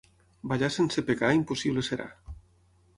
Ballar sense pecar, impossible serà.